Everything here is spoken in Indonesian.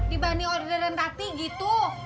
dibanding orderan tati gitu